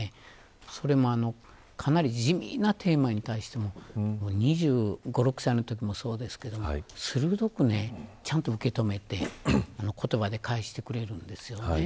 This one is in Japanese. それもかなり地味なテーマに対しても２５、２６歳のときもそうですけど鋭くちゃんと受け止めて言葉で返してくれるんですよね。